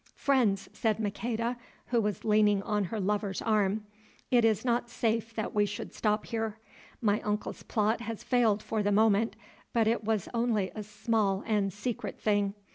"Friends," said Maqueda, who was leaning on her lover's arm, "it is not safe that we should stop here. My uncle's plot has failed for the moment, but it was only a small and secret thing.